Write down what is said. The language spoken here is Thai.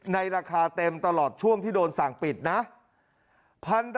ในราคาเต็มตลอดช่วงที่โดนสั่งปิดนะ